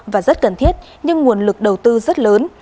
và rất cần thiết nhưng nguồn lực đầu tư rất lớn